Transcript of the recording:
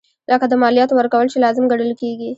لکه د مالیاتو ورکول چې لازم ګڼل کیږي.